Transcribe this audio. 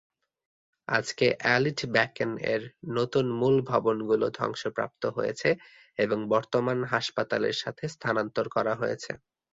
আজকে "অ্যালিডব্যাকেন"-এর সকল মূল ভবনগুলো ধ্বংসপ্রাপ্ত হয়েছে এবং বর্তমান হাসপাতালের সাথে স্থানান্তর করা হয়েছে।